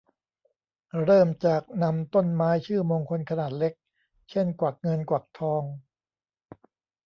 เริ่มจากนำต้นไม้ชื่อมงคลขนาดเล็ก เช่น กวักเงินกวักทอง